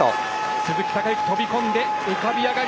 鈴木孝幸、飛び込んで浮かび上がり。